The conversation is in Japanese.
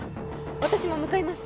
私も向かいます